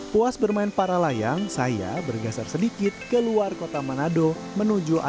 puas bermain para layang saya bergasar sedikit ke luar kota manado menuju air terjun kengkang